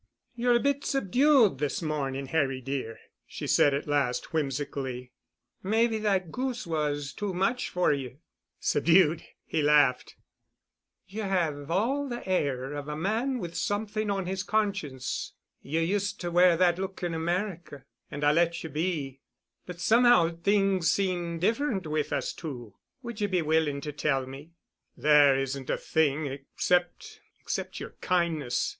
"You're a bit subdued this morning, Harry dear," she said at last, whimsically. "Maybe that goose was too much for you." "Subdued!" he laughed. "You have all the air of a man with something on his conscience. You used to wear that look in America, and I let you be. But somehow things seemed different with us two. Would you be willing to tell me?" "There isn't a thing—except—except your kindness.